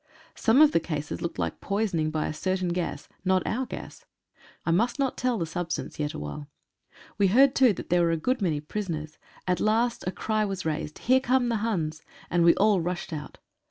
Some of the cases looked like poisoning by a certain gas — not our gas. I must not tell the substance yet awhile. We heard too that there were a good many prisoners. At last a cry was raised, "Here come some Huns!" and we all rushed out.